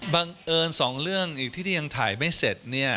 บังเอิญ๒เรื่องอีกที่ยังถ่ายไม่เสร็จ